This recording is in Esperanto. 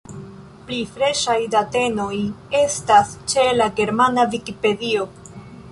Pli freŝaj datenoj estas ĉe la Germana Vikipedio!